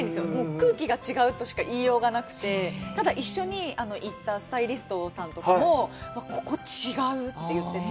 空気が違うとしか言いようがなくて、ただ、一緒に行ったスタイリストさんとかも、ここ違う！って言ってて。